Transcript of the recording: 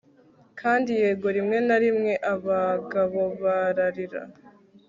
kandi yego, rimwe na rimwe abagabo bararira